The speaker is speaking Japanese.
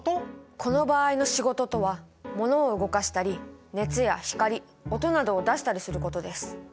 この場合の仕事とは物を動かしたり熱や光音などを出したりすることです。